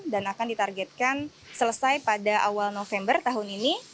dan akan ditargetkan selesai pada awal november tahun ini